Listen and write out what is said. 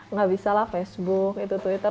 nggak bisa lah facebook itu twitter